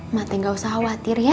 mati gak usah khawatir ya